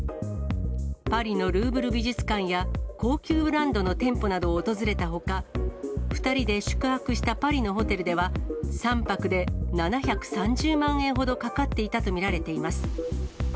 パリのルーブル美術館や高級ブランドの店舗などを訪れたほか、２人で宿泊したパリのホテルでは、３泊で７３０万円ほどかかっていたと見られています。